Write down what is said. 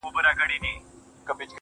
گوره په ما باندي ده څومره خپه.